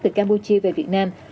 từ campuchia về việt nam